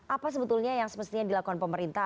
apa sebetulnya yang semestinya dilakukan pemerintah